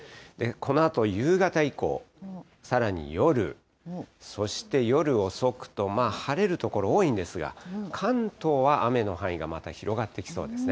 このあと夕方以降、さらに夜、そして夜遅くと、まあ晴れる所多いんですが、関東は雨の範囲がまた広がってきそうですね。